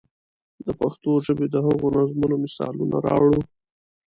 د پښتو ژبې د هغو نظمونو مثالونه راوړو.